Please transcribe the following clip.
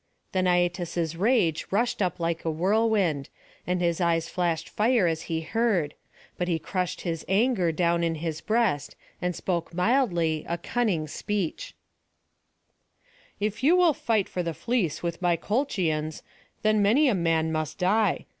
Then Aietes's rage rushed up like a whirlwind, and his eyes flashed fire as he heard; but he crushed his anger down in his breast, and spoke mildly a cunning speech: "If you will fight for the fleece with my Colchians, then many a man must die.